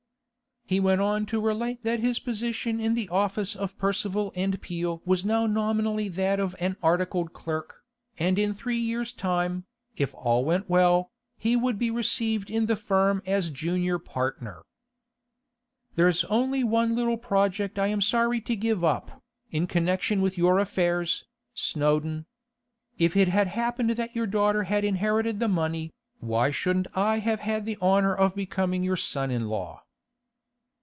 He went on to relate that his position in the office of Percival & Peel was now nominally that of an articled clerk, and that in three years' time, if all went well, he would be received in the firm as junior partner. 'There's only one little project I am sorry to give up, in connection with your affairs, Snowdon. If it had happened that your daughter had inherited the money, why shouldn't I have had the honour of becoming your son in law?